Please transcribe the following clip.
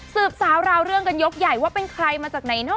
สืบสาวราวเรื่องกันยกใหญ่ว่าเป็นใครมาจากไหนเนาะ